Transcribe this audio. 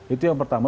itu yang pertama